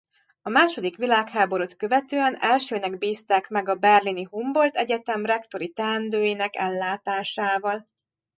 A második világháborút követően elsőnek bízták meg a berlini Humboldt Egyetem rektori teendőinek ellátásával.